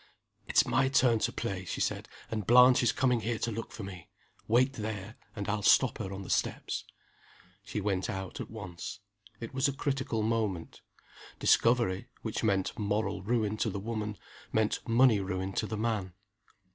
"It's my turn to play," she said. "And Blanche is coming here to look for me. Wait there, and I'll stop her on the steps." She went out at once. It was a critical moment. Discovery, which meant moral ruin to the woman, meant money ruin to the man.